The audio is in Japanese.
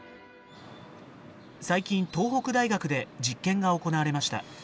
最近東北大学で実験が行われました。